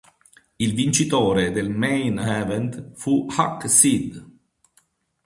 Il vincitore del Main Event fu Huck Seed.